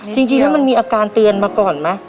จริงแล้วมันมีอาการเตือนมาก่อนไหม